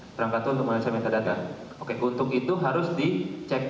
perangkat untuk menganalisa metadata oke untuk itu harus di cek